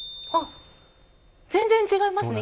全然違いますね。